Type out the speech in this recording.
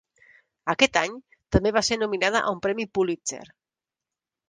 Aquest any, també va ser nominada a un Premi Pulitzer.